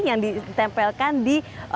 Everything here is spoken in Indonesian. yang ditempelkan di